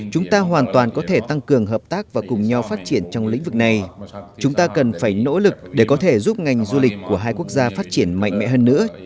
chúng ta hoàn toàn có thể tăng cường hợp tác và cùng nhau phát triển trong lĩnh vực này chúng ta cần phải nỗ lực để có thể giúp ngành du lịch của hai quốc gia phát triển mạnh mẽ hơn nữa